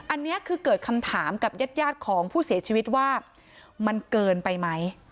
อันนี้คือเกิดคำถามกับญาติของผู้เสียชีวิตว่ามันเกินไปไหม